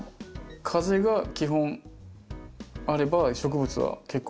風が基本あれば植物は結構きれいに育つんですよね。